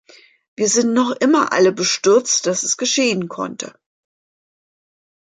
Wir sind noch immer alle bestürzt, dass es geschehen konnte.